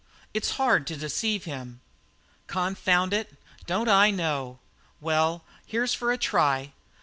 "It's hard to deceive him." "Confound it! Don't I know? Well, here's for a try.